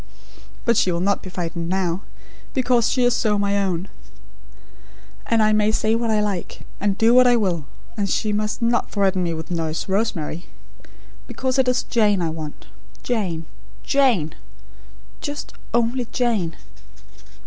But she will not be frightened now, because she is so my own; and I may say what I like; and do what I will; and she must not threaten me with Nurse Rosemary; because it is Jane I want Jane, Jane; just ONLY Jane!